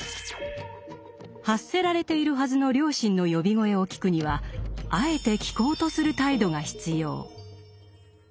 発せられているはずの「良心の呼び声」を聞くにはあえて聴こうとする態度が必要。